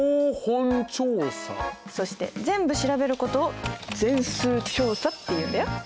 そして全部調べることを全数調査っていうんだよ。